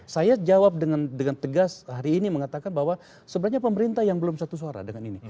saya jawab dengan tegas hari ini mengatakan bahwa sebenarnya pemerintah yang belum satu suara dengan ini